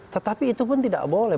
tetapi itu pun tidak boleh